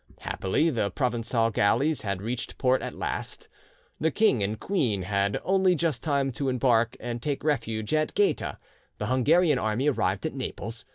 Happily the Provencal galleys had reached port at last. The king and the queen had only just time to embark and take refuge at Gaeta. The Hungarian army arrived at Naples.